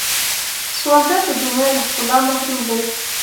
سوالګر د دنیا له ښکلا محروم دی